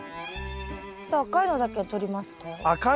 じゃあ赤いのだけとりますか？